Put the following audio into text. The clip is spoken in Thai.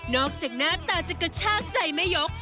จากหน้าตาจะกระชากใจแม่ยก